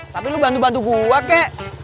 tapi lu bantu bantu gue kek